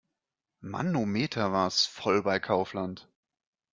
Manometer, war es voll bei Kaufland!